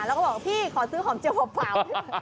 แล้วก็บอกพี่ขอซื้อหอมเจียวเป่า